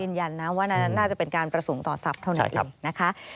ยืนยันนะว่าน่าจะเป็นการประสงค์ต่อทรัพย์เท่านั้นเองนะคะ